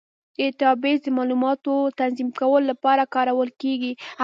ډیټابیس د معلوماتو تنظیم کولو لپاره کارول کېږي.